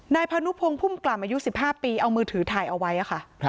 นายพนุภงภูมิกล่ามอายุ๑๕ปีเอามือถือถ่ายเอาไว้ค่ะ